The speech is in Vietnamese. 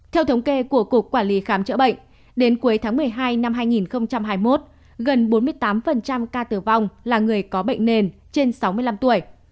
theo thống kê của cục quản lý khám chữa bệnh đến cuối tháng một mươi hai năm hai nghìn hai mươi một gần bốn mươi tám ca tử vong là người có bệnh nền trên sáu mươi năm tuổi